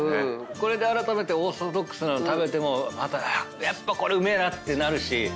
これであらためてオーソドックスなの食べてもやっぱこれうめえなってなるし。